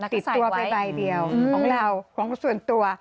ติดตัวไปใบเดียวของเราของส่วนตัว